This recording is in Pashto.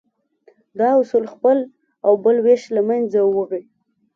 دا اصول خپل او بل وېش له منځه وړي.